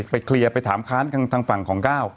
ไปเคลียร์ไปถามค้านทางฝั่งของก้าว